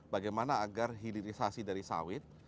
bagaimana agar hilirisasi dari sawit